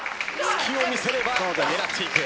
隙を見せれば狙っていく。